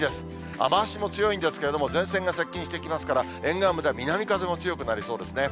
雨足も強いんですけれども、前線が接近してきますから、沿岸部では南風も強くなりそうですね。